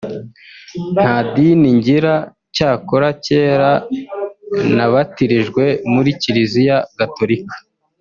nta dini ngira cyakora cyera nabatirijwe muri Kiliziya Gatolika